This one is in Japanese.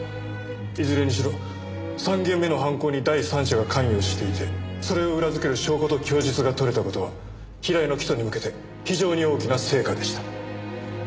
いずれにしろ３件目の犯行に第三者が関与していてそれを裏付ける証拠と供述が取れた事は平井の起訴に向けて非常に大きな成果でした。